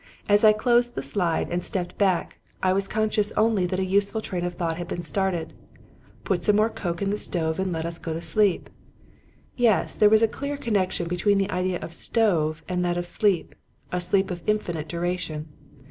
As I closed the slide and stepped back, I was conscious only that a useful train of thought had been started. 'Put some more coke in the stove and let us go to sleep.' Yes; there was a clear connection between the idea of 'stove' and that of 'sleep,' a sleep of infinite duration.